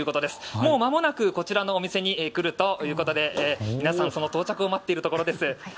もうまもなくこちらのお店に来るということで皆さん、その到着を待っているところです。